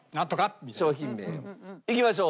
いきましょう。